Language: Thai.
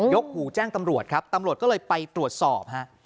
กหูแจ้งตำรวจครับตำรวจก็เลยไปตรวจสอบฮะ